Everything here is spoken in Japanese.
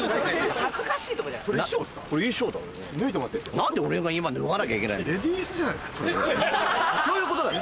何で俺が今脱がなきゃいけないんだよ。